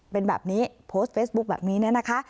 เป็นแบบนี้โพสต์เฟซบุ๊คแบบนี้เนี่ยนะคะ